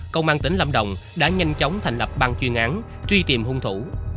công an tỉnh lâm đồng đã nhanh chóng thành lập ban chuyên án truy tìm hung thủ